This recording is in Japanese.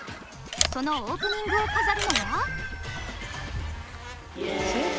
そのオープニングを飾るのは。